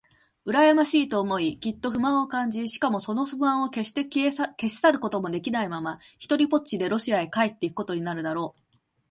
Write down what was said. うらやましいと思い、きっと不満を感じ、しかもその不満をけっして消し去ることもできないままに、ひとりぽっちでロシアへ帰っていくことになるだろう。